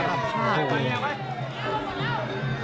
สาระพาด